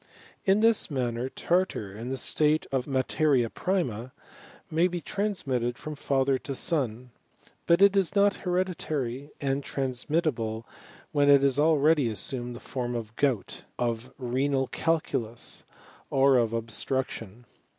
In this manner tartar, in the state of mafena^jrlffU^ may be transmitted from father to son. But it is i hereditary and transmittable when it has already i sumed the form of gout, of renal caJculus, or of ob struction.